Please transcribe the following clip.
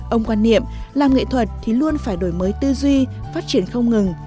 ông quan niệm làm nghệ thuật thì luôn phải đổi mới tư duy phát triển không ngừng